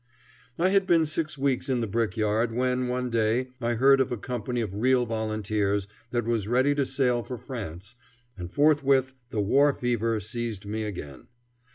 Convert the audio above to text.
I had been six weeks in the brick yard when one day I heard of a company of real volunteers that was ready to sail for France, and forthwith the war fever seized me again.